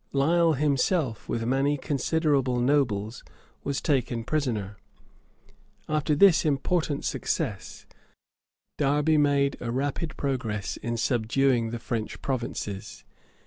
Lisle himself, with many considerable nobles, was taken prisoner.[] After this important success, Derby made a rapid progress in subduing the French provinces.